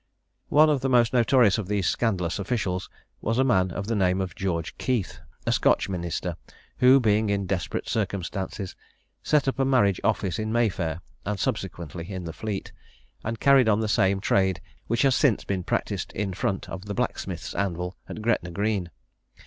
One of the most notorious of these scandalous officials was a man of the name of George Keith, a Scotch minister, who, being in desperate circumstances, set up a marriage office in May Fair, and subsequently in the Fleet, and carried on the same trade which has since been practised in front of the blacksmith's anvil at Gretna Green.